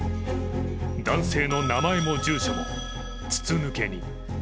男性の名前も住所も筒抜けに。